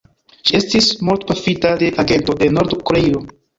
Ŝi estis mortpafita de agento de Nord-Koreio.